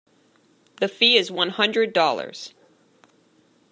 The fee is one hundred dollars.